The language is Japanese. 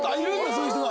そういう人が。